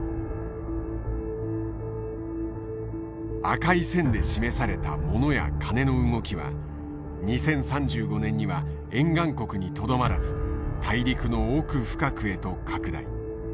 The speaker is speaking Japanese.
赤い線で示されたモノやカネの動きは２０３５年には沿岸国にとどまらず大陸の奥深くへと拡大。